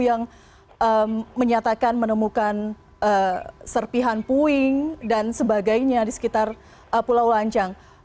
yang menyatakan menemukan serpihan puing dan sebagainya di sekitar pulau lancang